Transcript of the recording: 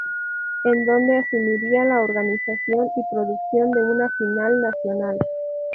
En donde asumiría la organización y producción de una final nacional.